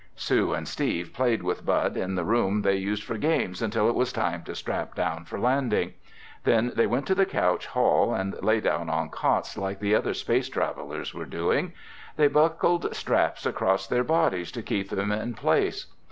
Sue and Steve played with Bud in the room they used for games until it was time to "strap down" for landing. Then they went to the couch hall and lay down on cots like the other space travelers were doing. They buckled straps across their bodies to keep them in place.